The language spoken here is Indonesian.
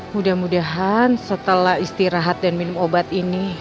mudah mudahan setelah istirahat dan minum obat ini